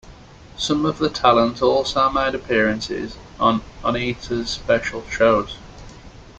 Some of the talent also made appearances on Onita's special shows.